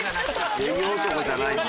ネギ男じゃないんだ。